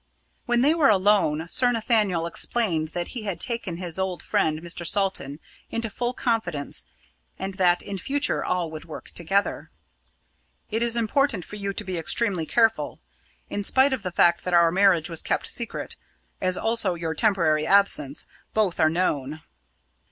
When they were alone, Sir Nathaniel explained that he had taken his old friend, Mr. Salton, into full confidence, and that in future all would work together. "It is important for you to be extremely careful. In spite of the fact that our marriage was kept secret, as also your temporary absence, both are known."